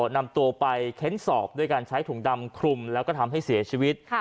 นำตัวไปเค้นสอบด้วยการใช้ถุงดำคลุมแล้วก็ทำให้เสียชีวิต